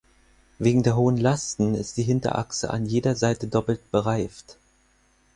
Wegen der hohen Lasten ist die Hinterachse an jeder Seite doppelt bereift.